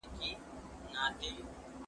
هغه څوک چي مڼې خوري قوي وي!